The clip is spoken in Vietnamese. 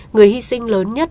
người hy sinh lớn nhất